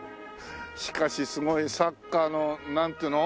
しかしすごいサッカーのなんていうの？